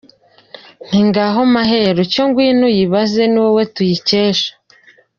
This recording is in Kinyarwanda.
Nti ngaho Maheru Cyo ngwino uyibanze Ni wowe tuyikesha.